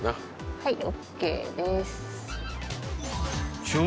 はいＯＫです。